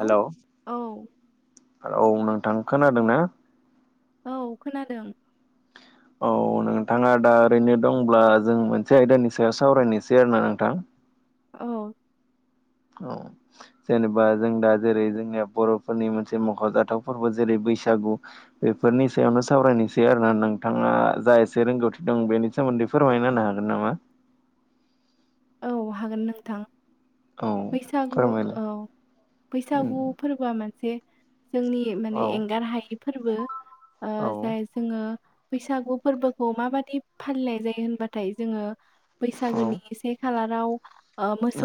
औ औ हेल' औ नोंथां खोनादों ना? औ खोनादों। औ नोंथाङा दा ओरैनो दंब्ला जों मोनसे आयदानि सायाव सावरायनोसै आरोोना नोंथां औ औ जेनेबा जों दा जेरै जोंनिया बर'फोरनि मोनसे मख'जाथाव फोरबो जेरै बैसागु बेफोरनि सायावनो सावरायनोसै आरोोना नोंथाङा जा एसे रोंगौथि दं बेनि सोमोन्दै फोरमायना होननो हागोन नामा औ हागोन नोंथां औ बैसागु फोरमायलाय औ बैसागु। फोरबोआ मोनसे जोंनि माने औ एंगार हायै फोरबो ओ औ जाय जोङो बैसागु फोरबोखौ माबादि फालिनाय जायो होनबाथाय जोङो औ बैसागोनि से खालाराव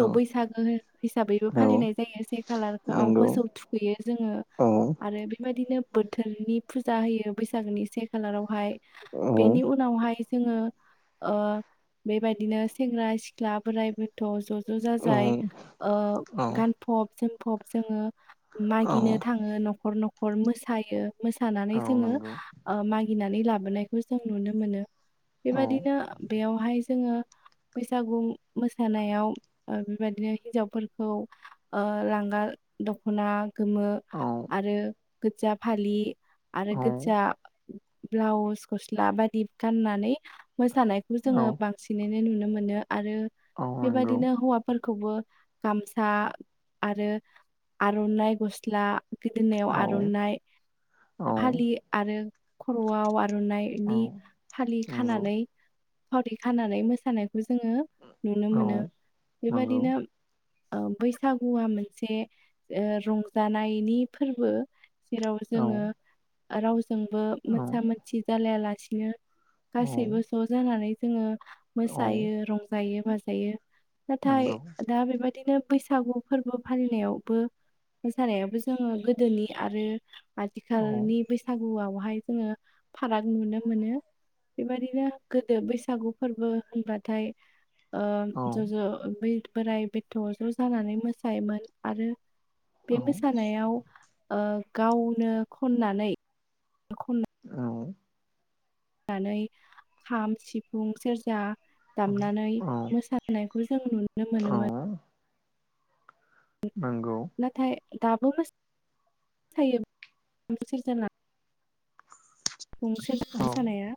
औ बैसागो हिसाबैबो औ फालिनाय जायो से खालारआव नंगौ मोसौ थु बेयो जोङो औ आरो बेबायदिनो बोथोरनि फुजा होयो बैसागोनि से खालारावहाय। औ बेनि उनावहाय जोङो ओ बेबायदिनो सेंग्रा सिख ख्ला बोराइ बोथ' ज' ज' जाजाय औ गान फब जोमफब जोङो औ मागिनो थाङो न'खर न'खर मोसायो। मोसानानै औ जोङो नंगौ मागिनानै लाबोनायखौ जों नुनो मोनो औ बेबादिनो बेयावहाय जोङो बैसागु मोसानायाव बेबायदिनो हिनजावफोरखौ ओ लांगा दख'ना गोमो औ आरो गोजा फालि आरो औ गोजा ब्लाउस गस्ला बायदि गाननानै मोसानायखौ जोङो औ बां सिनैनो नुनो मोनो आरो औ नंगौ बेबायदिनो हौवाफोर खौबो गामसा आरो आर'नाइ गस्ला गोदोनायाव औ आर'नाइ औ फालि आरो खर'आव औ आर'नाइ फालि नंगौ खानानै फावथि खानानै मोसानायखौ जोङो नुनो औ मोनो नंगौ बेबादिनो। बैसागुआ मोनसे रंजानायनि फोरबो। जेराव औ जोङो रावजोंबो औ मोनसा मोनसि जालायालासिनो। औ गासैबो ज' जानानै जोङो औ मोसायो। रंजायो बाजायो नाथाय नंगौ दा बेबायदिनो बैसागु। फोरबो फालिनायावबो मोसानायावबो जोङो गोदोनि आरो औ आथिखालनि बैसागुआवहाय जोङो फाराग नुनो मोनो। बेबायाददिनो गोदो बैसागु फोरबो होनबाथाय औ ज' ज' बोराय बेथ' ज' जानानै मोसायोमोन आरो बे मोसानायाव ओ गावनो खननानै खन औ। नानै खाम सिफुं सेरजा दामनानै औ मोसानायखौ जों नुनो औ मोनोमोन। नोंगौ। नाथाय दाबो फोथायो सिजोन [inaudible] गंसे औ सनाया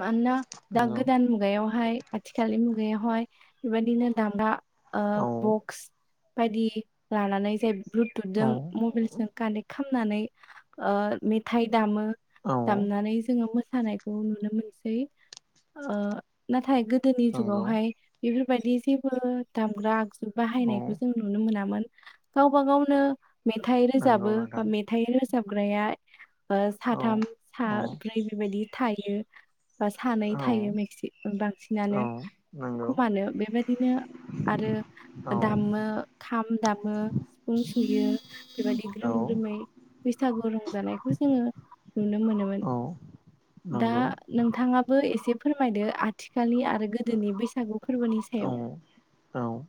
मानोना दा नंगौ गोदान मुगायावहाय आथिखालनि मुगायावहाय बेबायदिनो दामग्रा ओ बक्स बायदि लानानै जाय औ ब्लुथुथजों मबाइलजों कानेक्ट खामनानै ओ मेथाइ दामो औ औ दामनानै जोङो मोसानायखौ नु मोनसै नाथाय गोदोनि जुगावहाय बेफोरबायदि जेबो दामग्रा आगजु बाहायनायखौ जों नुनो मोनामोन गावबा गावनो मेथाइ नंगौ रोजाबो बा मे हाथाइ रोजाबग्राया औ साथाम साब्रै बेबायदि थायो। बा सानै थायो मेक्सि बांसिनानो नंगौ खमानो बेबायदिनो आरो नोंथां दामो। खाम दामो [inaudible] सुयो। बेबायदि औ ग्रोम ग्रोमै बैसागु रंजानायखौ जोङो नुनो मोनोमोन। दा नांगौ। नोंथाङाबो एसे फोरमायदो आथिखालनि आरो गोदोनि बैसागु फोरबोनि औ सायाव औ।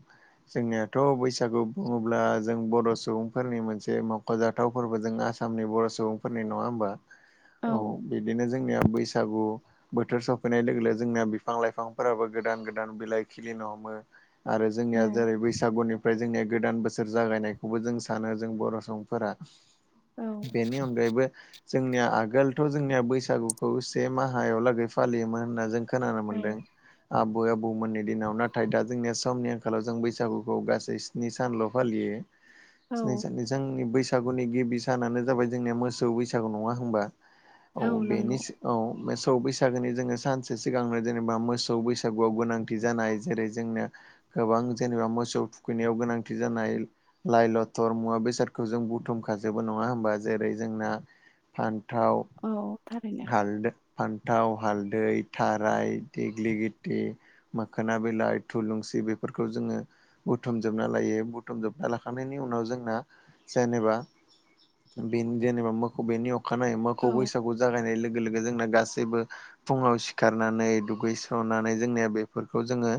जोंनियाथ' बैसागु बुङोब्ला जों बर' सुबुंफोरनि मोनसे माव ख'जाथाव फोरबो जों आसामनि बर' सुबुंफोरनि नङा ओमबा? औ बिदिनो जोंनिया बैसागु बोथोर सफैनाय लोगो लोगो जोंनिया बिफां लाइफांफोराबो गोदान गोदान बिलाइ खिलिनो हमो। आरो औ जोंनिया जेरै बैसागुनिफ्राय जोंनिया गोदान बोसोर बोसोर जागायनायखौबो जों सानो जों बर' सुबुंफोरा औ बेनि अनगायैबो जोंनिया आगोलथ' जोंनिया बैसागुखौ से माहायाव लागै फालियोमोन होन्ना जों खोनानो मोनदों आबौ आबैमोननि दिनाव नाथाय दा जोंनि समनि आंखालाव जों बैसागुखौ गासै स्नि सानल' फालियो। सिनाय औ स जोंनि बैसागुनि गिबि सानानो जाबाय जोंनिया मोसौ बैसागु नङा होनबा? औ बेनि सि औ मोसौ बैसागोनि जोङो सानसे सिगांनो जेनेबा मोसौ बैसागुआव गोनां गोनां जानाय जेरै जोंनिया गोबां जेनेबा मोसौ फुखैनायाव गोनांथि जानाय लाइ लथर मुवा बेसादखौ जों बुथुमखाजोबो नङा होमबा जेरै जोंना फान्थाव औ थारैनो। हालदो फान्थाव हालदै थाराय देग्लिगिटि मोखोना बिलाइ थुलुंसि बेफोरखौ जोङो बुथुमजोबना लायो बुथुमजोबना लाखांनायनि उनाव जोंना जेनेबा बे जेनेबा मोखौ बेनि अखानायै मोखौ औ बैसागु जागायनाय लोगो लोगो जोंना गासैबो फुङाव सिखारनानै दुगैस्रोननानै जोंनिया बे फोरखौ जोङो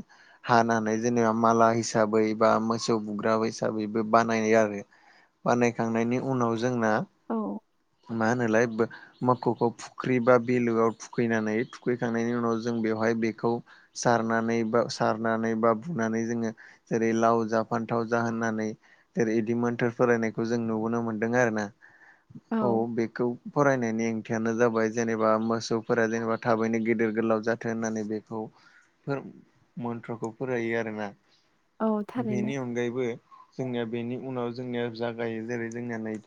हानानाय जेनेबा माला हिसाबै बा मोसौ बुग्रााब हिसाबैबो बानायनाय आरो बानायखांनायनि उनाव जोंना औ मा होनोलाय बो मोखौौखौ फुख्रि बा बिलोआव थुखैनानै थुखैखांनायनि उनाव जों बेवहाय बेखौ सारनानै बा सारनानै बा बुनानै जोङो जेरै लाव जा फान्थाव जा होननानै जेर बिदिमोनथार फरायनायखौ जों नुबोनो मोन्दों आरो ना औ बेखौ फरायनायनि ओंथियानो जाबाय जेनेबा मोसौफोरा जेनेबा थाबैनो गिदिर गोलाव जाथों होननानै बेखौ फोर मन्त्रखौ फरायो आरोना औ थारैनो बेनि अनगायैबो जोंनिया बेनि उनाव जोंनिया जागायो जेरै जोंनिया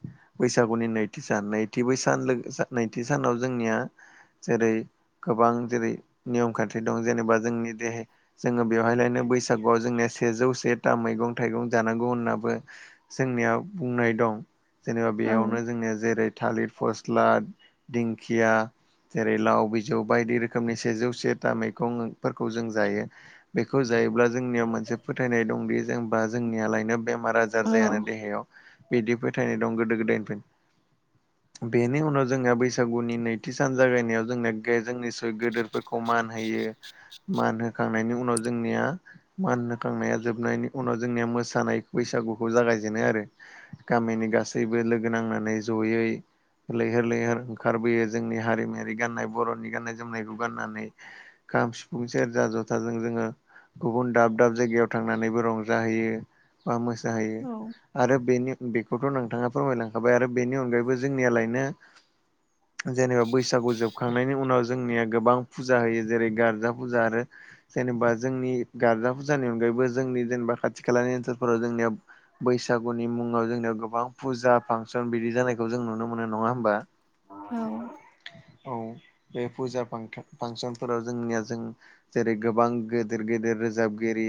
बैसागुनि नै सान नैथि बै सान नैथि सानाव जोंनिया जेरै गोबां जेरै नियम खान्थि दं जेनेबा जोंनि देहाया जोङो बेवहायलायनो बैसागुआव जोंनिया सेजौ सेथा मैगं थाइगं जानांगौ होननाबो जोंनिया बुंनाय दं। जेनेबा औ बेयावनो जोंनिया जेरै, थालिर फस्ला, दिंखिया। जेरै लाव बिजौ बायदि रोखोमनि सेजौ सेथा मैगंफोरखौ जों जायो। बेखौ जायोब्ला जोंनियाव मोनसे फोथायनाय दंदि जेनेबा जोंनियालायनो बेमार आजार औ बेमार जायानो देहायाव बिदि फोथायनाय दं गोदो गोदायनिफ्राय बेनि उनाव जोंना बैसागुनि नैथि सान जागायनायाव जोंनिया जोंनि गेदेरफोरखौ मान होयो। मान होखांनायनि उनाव जोंनिया मान हो खांनाया जोबनायनि उनाव जोंनिया मोसानाय बैसागुखौ जागायजेनाय आरो। गामिनि गासैबो लोगो नांनानै जयै लैहोर लैहोर ओंखारबोयो जोंनि हारिमायारि गान्नाय बर'नि गान्नाय जोमनायखौ गाननानै खाम सिफुं सेरजा जथाजों जोङो गुबुन दाब दाब जायगायाव थांनानैबो रंजाहैयो। बा मोसाहैयो औ आरो बेनि बेखौथ' नोंथाङा फोरमायलांखाबाय आरो बेनि अनगायैबो जोंनियालायनो जेनेबा बैसागु जोबखांनायनि उनाव जोंनिया गोबां फुजा होयो जेरै गारजा फुजा आरो जेनेबा जोंनि गारजा फुजानि अनगायैबो जोंनि जेनेबा खाथि खालानि ओनसोलफोराव जोंनिया बैसागुनि मुङाव जोंनियाव गोबां फुजा फांसन बिदि जानायखौ जों नुनो मोनो नङा होमबा। औ। औ। बे फुजा फांसनफोराव जोंनिया जों जेरै, गोबां गेदिर गेदेर रोजाबगिरि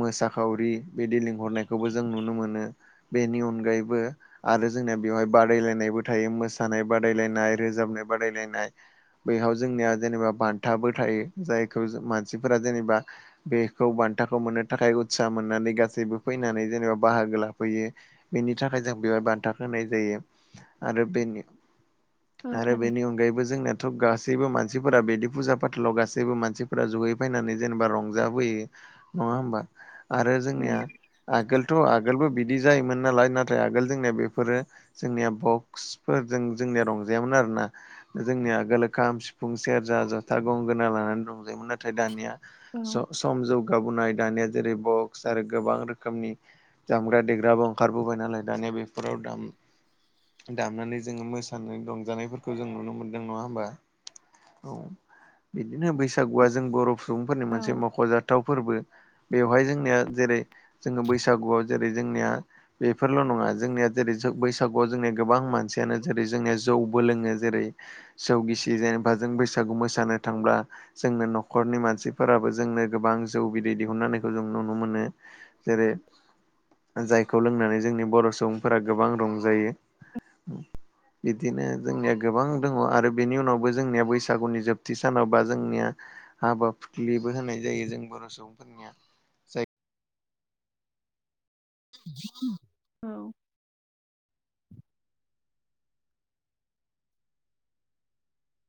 मोसाखावरि बिदि लिंहरनायखौबो जों नुनो मोनो बेनि अनगायैबो आरो जोंनिया बेवहाय बादायलायनायबो थायो मोसानाय बादायलायनाय, रोजाबनाय बादायलायनाय, बैह जोंनिया जेनेबा बान्थाबो थायो जायखौ मानसिफोरा जेनेबा बेखौ बान्थाखौ मोननो थाखाय उत्सा मोननानै गासैबो फैनानै जेनेबा बाहागो लाफैयो। बेनि थाखाय जों बेवहाय बान्था होनाय जायो। आरो औ आरो थारैनो बेनि अनगायैबो जोंनिया थ' गासैबो मानसिफोरा बिदि फुजा फाथालाव गासैबो मानसिफोरा जयै फैनानै जेनेबा रंजाबोयो। नङा होमबा। आरो जोंनिया आगोलथ' आगोलबो बिदि जायोमोन नालाय नाथाय आगोल जोंनिया बेफोर फोरो जोंनिया बक्सफोरजों जोंनिया रंजायामोन आरोना जोंनिया आगोलो खाम, सिफुं, सेरजा, जथा, गंगोना, लानानै दंजायोमोन। नाथाय दानिया औ सम जौगाबोनाय दानिया जेरै, बक्स, आरो गोबां रोखोमनि जामग्रा देग्राबो ओंखारबोबाय नालाय दानिया बे फोराव दामनानै जोङो मोसानाय रंजानायफोर जों नुनो मोनदों नङा हबा। औ बिदिनो बैसागुआ जों बर' सुबुंफोरनि औ मोनसे मख'जाथाव फोरबो बेवहाय जोंनिया जेरै, जो बैसाग बैसागुआव जेरै जोंनिया बेफोरल' नङा जोंनिया जेरै बैसागुआव जोंनिया गोबां मानसियानो जेरै जोङो जौबो लोङो जेरै जौ गिसि जेनेबा जों बैसागु मोसानो थांब्ला। जोंनो न'खरनि मानसिफोराबो जोंनो गोबां जौ बिदै दिहुननाहोनायखौ जों नुनो मोनो। जेरै जायखौ लोंनानै जोंनि बर' सुबुंफोरा गोबां रंजायो। औ। बिदिनो जोंनिया गोबां दंङ आरो बेनि उनावबो जोंनिया बैसागुनि जोबथि सानाव बा जोंनिया हाबा फुखलिबो होनाय जायो। जों बर' सुबुंफोरनिया जाय औ।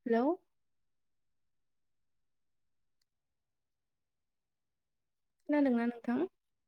हेल'। खोनादोंना नोंथां?